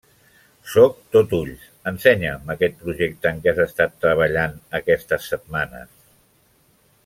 Sóc tot ulls. Ensenya'm aquest projecte en què has estat treballant aquestes setmanes.